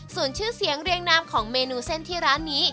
ส่วนชื่อเสียงเรียงนามของเมนูเส้นที่ร้านนี้